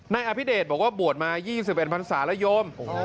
นายอภิเดชบอกว่าบวชมา๒๑ภัณฑ์สาระโยม